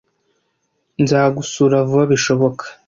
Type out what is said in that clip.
Nzagusura vuba bishoboka.